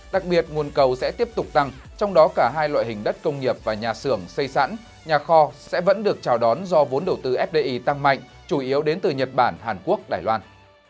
đặc biệt nguồn cầu sẽ tiếp tục tăng trong đó cả hai loại hình đất công nghiệp và nhà xưởng xây sẵn nhà kho sẽ vẫn được chào đón do vốn đầu tư fdi tăng mạnh chủ yếu đến từ nhật bản hàn quốc đài loan